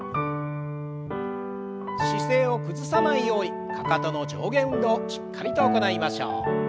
姿勢を崩さないようにかかとの上下運動しっかりと行いましょう。